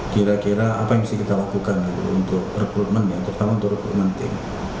kira kira apa yang bisa kita lakukan untuk rekrutmen ya terutama untuk rekrutmen tim